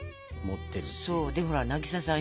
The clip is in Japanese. そうでほら渚さん